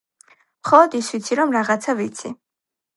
მხოლოდ ის ვიცი რომ რაღაცა ვიცი